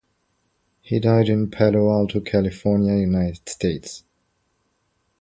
He died in Palo Alto, California, United States.